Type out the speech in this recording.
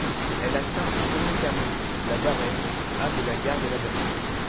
Elle atteint son premier terminus, La Varenne, à de la gare de la Bastille.